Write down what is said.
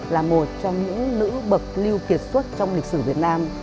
là một trong những nữ bậc lưu kiệt xuất trong lịch sử việt nam